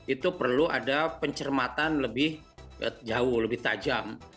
itu perlu ada pencermatan lebih jauh lebih tajam